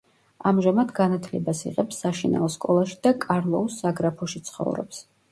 ამჟამად განათლებას იღებს საშინაო სკოლაში და კარლოუს საგრაფოში ცხოვრობს.